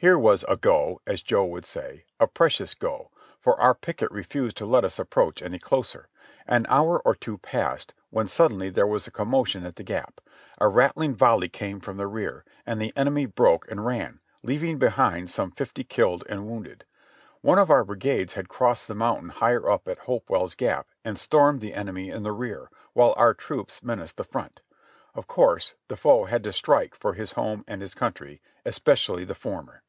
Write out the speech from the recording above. Here was "a. go," as Joe would say, "a precious go," for our picket refused to let us approach any closer. An hour or two passed, when suddenly there was a commotion at the Gap. A rattling volley came from the rear, and the enemy broke and ran, leaving behind some fifty killed and wounded. One of our brigades had crossed the mountain higher up at Hopewell's Gap and stormed the enemy in the rear, while our troops menaced the front. Of course the foe had to strike for his home and his country, especially the former.